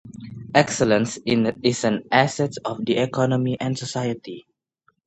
Excellence is an asset of the economy and society.